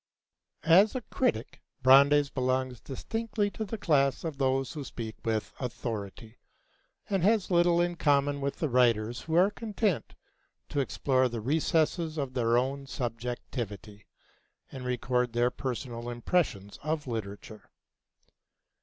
As a critic, Brandes belongs distinctly to the class of those who speak with authority, and has little in common with the writers who are content to explore the recesses of their own subjectivity, and record their personal impressions of literature.